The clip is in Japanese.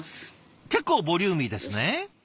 結構ボリューミーですね。